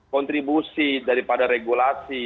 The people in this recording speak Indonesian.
kontribusi daripada regulasi